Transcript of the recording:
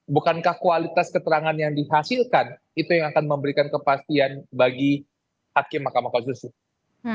bukankah kualitas keterangan yang dihasilkan itu yang akan memberikan kepastian bagi hakim mahkamah konstitusi